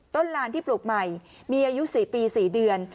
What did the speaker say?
ต้นหลานที่ปลูกใหม่มีอายุสี่ปีสี่เดือน